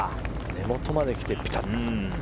根元まで来て、ピタッと。